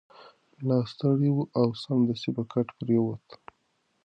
ملا ستړی و او سمدستي په کټ پریوت.